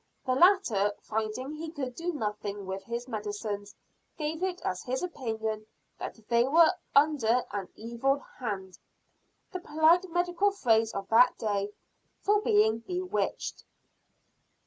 The latter, finding he could do nothing with his medicines, gave it as his opinion that they were "under an evil hand" the polite medical phrase of that day, for being bewitched.